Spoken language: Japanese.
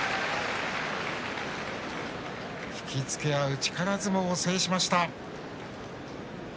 引き付け合う力相撲を制しました。